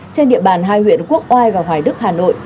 trên địa bàn hai huyện quốc oai và hoài đức hà nội